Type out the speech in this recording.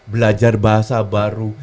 belajar bahasa baru